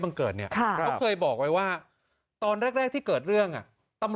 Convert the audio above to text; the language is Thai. ส่วนบุคคลที่จะถูกดำเนินคดีมีกี่คนและจะมีพี่เต้ด้วยหรือเปล่า